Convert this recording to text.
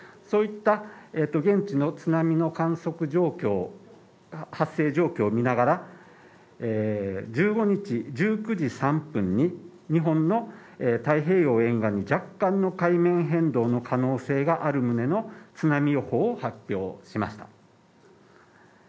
そういった現地の津波の観測状況発生状況を見ながら、１５日１９時３分に日本の太平洋沿岸に若干の海面変動の可能性がある旨の津波予報を発表しました。